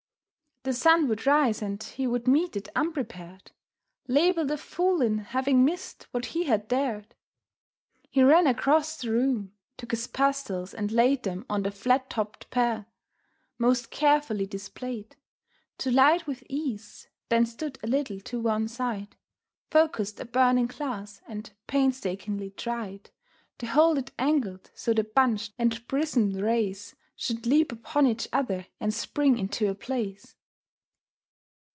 The sun would rise and he would meet it unprepared, Labelled a fool in having missed what he had dared. He ran across the room, took his pastilles and laid Them on the flat topped pear, most carefully displayed To light with ease, then stood a little to one side, Focussed a burning glass and painstakingly tried To hold it angled so the bunched and prismed rays Should leap upon each other and spring into a blaze.